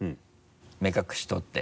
目隠し取って。